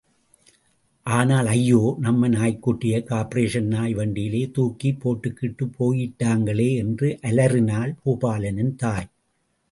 ஆனால் ஐயோ, நம்ப நாய்க்குட்டியை கார்ப்பரேஷன் நாய் வண்டியிலே தூக்கிப் போட்டுக்கிட்டுப் போயிட்டாங்களே! என்று அலறினாள் பூபாலனின் தாய்.